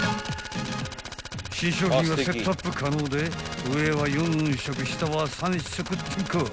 ［新商品はセットアップ可能で上は４色下は３色展開］